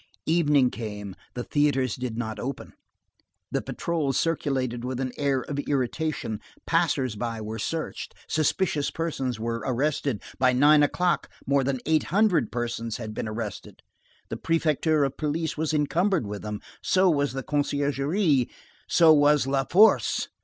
Evening came, the theatres did not open; the patrols circulated with an air of irritation; passers by were searched; suspicious persons were arrested. By nine o'clock, more than eight hundred persons had been arrested, the Prefecture of Police was encumbered with them, so was the Conciergerie, so was La Force.